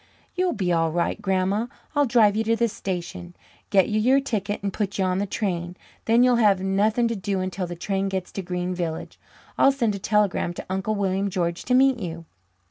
"You'll be all right, Grandma. I'll drive you to the station, get you your ticket, and put you on the train. Then you'll have nothing to do until the train gets to Green Village. I'll send a telegram to Uncle William George to meet you."